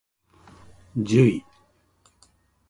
じゅい